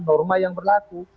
norma yang berlaku